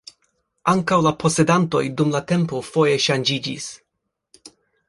Ankaŭ la posedantoj dum la tempo foje ŝanĝiĝis.